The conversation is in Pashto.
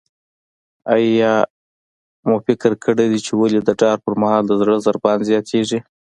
آیا مو فکر کړی چې ولې د ډار پر مهال د زړه ضربان زیاتیږي؟